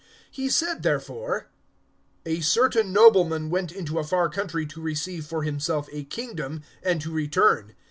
(12)He said therefore: A certain nobleman went into a far country to receive for himself a kingdom, and to return.